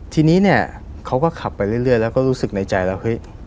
ทีนี้เค้าก็ขับไปเรื่อยแล้วก็รู้สึกในใจเรา